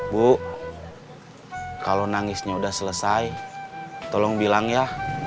bu kalau nangisnya udah selesai tolong bilang ya